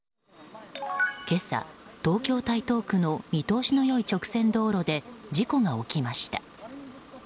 今朝、東京・台東区の見通しの良い直線道路で事故が起きました。